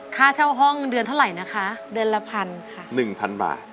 ค่าเช่าห้องเดือนเท่าไหร่นะคะเดือนละพันค่ะหนึ่งพันบาท